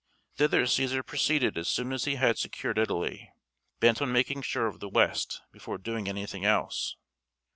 Thither Cæsar proceeded as soon as he had secured Italy, bent on making sure of the West before doing anything else.